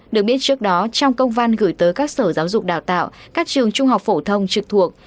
được biết trước đó trong công văn gửi tới các sở giáo dục đào tạo các trường trung học phổ thông trực thuộc